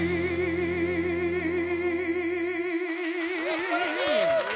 すばらしい。